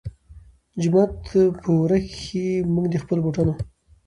جومات پۀ ورۀ کښې مونږ د خپلو بوټانو